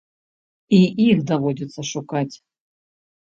І іх даводзіцца шукаць.